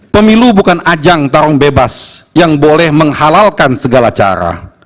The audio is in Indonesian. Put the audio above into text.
pemilu bukan ajang tarung bebas yang boleh menghalalkan segala cara